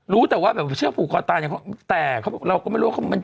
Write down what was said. รู้แต่ว่าเชือกผูกคอตาแต่เราก็ไม่รู้ว่า